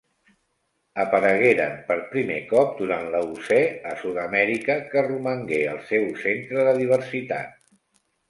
Aparegueren per primer cop durant l'Eocè a Sud-amèrica, que romangué el seu centre de diversitat.